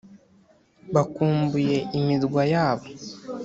bakumbuye imirwa.yabo